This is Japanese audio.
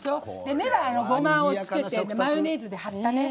目は、ごまをつけてマヨネーズで貼ったね。